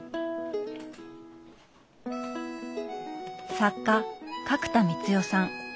作家角田光代さん。